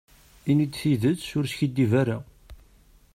Ini-d tidet, ur skiddib ara.